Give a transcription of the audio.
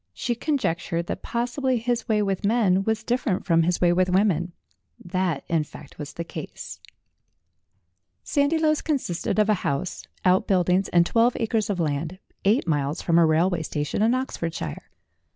She conjectured that possibly his way with men was dif ferent from his way with women. That, in fact, was the case. 149 150 STORIES WITHOUT TEARS Sandiloes consisted of a house, out buildings, and twelve acres of land, eight miles from a railway sta tion in Oxfordshire.